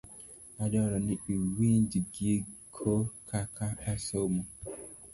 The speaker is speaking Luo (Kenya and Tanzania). Adwaro ni iwinj gigo kaka asomo.